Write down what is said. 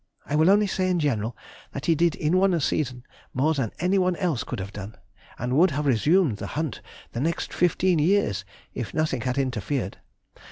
I will only say in general that he did in one season more than any one else could have done, and would have resumed the hunt the next fifteen years if nothing had interfered.